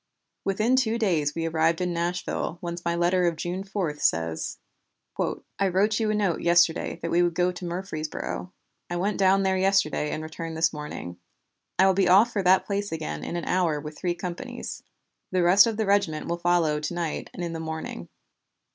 Within two days we arrived in Nashville whence my letter of June 4 says: "I wrote you a note yesterday that we would go to Murfreesboro. I went down there yesterday and returned this morning. I will be off for that place again in an hour with three companies. The rest of the regiment will follow to night and in the morning.